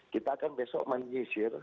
kita akan besok menyisir